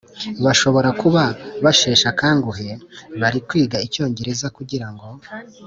Bashobora kuba basheshe akanguhe bari kwiga icyongereza kugirango